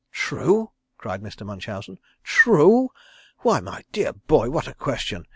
"True?" cried Mr. Munchausen. "True? Why, my dear boy, what a question!